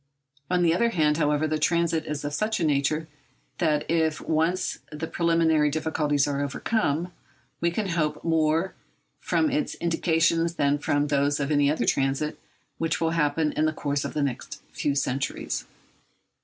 On the other hand, however, the transit is of such a nature that if once the preliminary difficulties are overcome, we can hope more from its indications than from those of any other transit which will happen in the course of the next few centuries.